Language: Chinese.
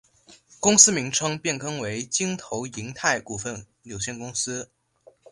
公司名称变更为京投银泰股份有限公司。